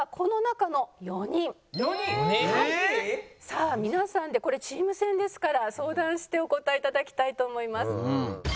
さあ皆さんでこれチーム戦ですから相談してお答え頂きたいと思います。